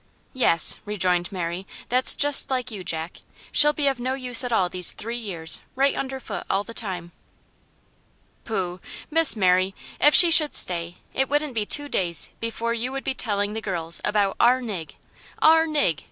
"Yes," rejoined Mary; "that's just like you, Jack. She'll be of no use at all these three years, right under foot all the time." "Poh! Miss Mary; if she should stay, it wouldn't be two days before you would be telling the girls about OUR nig, OUR nig!"